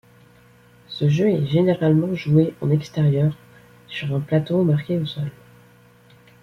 Ce jeu est généralement joué en extérieur, sur un plateau marqué au sol.